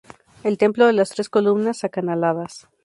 El templo de las tres columnas acanaladas.